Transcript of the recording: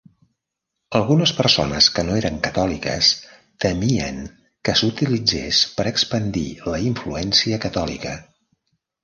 Algunes persones que no eren catòliques temien que s'utilitzés per expandir la influència catòlica.